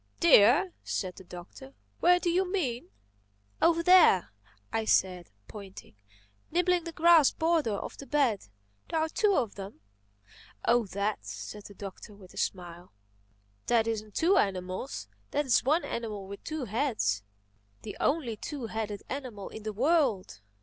"Deer!" said the Doctor. "Where do you mean?" "Over there," I said, pointing—"nibbling the grass border of the bed. There are two of them." "Oh, that," said the Doctor with a smile. "That isn't two animals: that's one animal with two heads—the only two headed animal in the world.